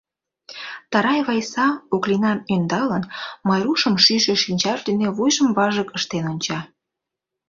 Тарай Вайса, Оклинам ӧндалын, Майрушым йӱшӧ шинчаж дене вуйжым важык ыштен онча...